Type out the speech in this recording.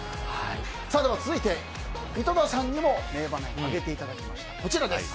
続いて、井戸田さんにも名場面を挙げていただきました。